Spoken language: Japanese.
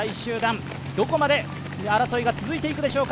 どこまで争いが続いていくでしょうか。